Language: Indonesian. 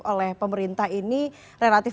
oleh pemerintah ini relatif